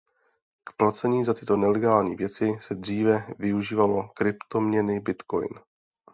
K placení za tyto nelegální věci se dříve využívalo kryptoměny bitcoin.